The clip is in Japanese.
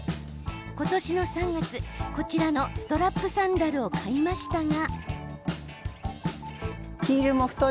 今年の３月こちらのストラップサンダルを買いましたが。